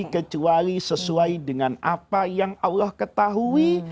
kecuali sesuai dengan apa yang allah ketahui